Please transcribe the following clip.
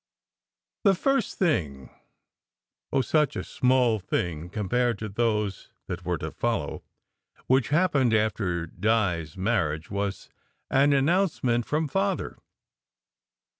The first thing oh, such a small thing compared to those that were to follow which happened after Di s marriage was an announcement from Father.